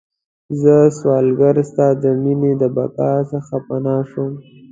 زه سوالګره ستا د میینې، د بقا څخه پناه شوم